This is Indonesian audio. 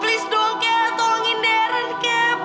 tolong dong kakek tolongin deren kakek